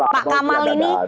pak kamal ini